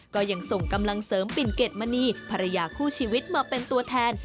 ก็ยังส่งกำลังเสริมปิ่นเกดมณีภรรยาคู่ชีวิตมาเป็นตัวแทน